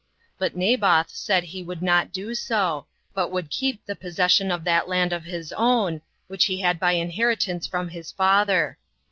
But Naboth said he would not do so, but would keep the possession of that land of his own, which he had by inheritance from his father.